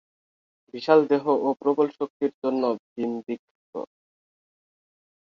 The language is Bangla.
বিশাল দেহ ও প্রবল শক্তির জন্য ভীম বিখ্যাত।